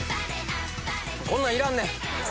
こんなんいらんねん。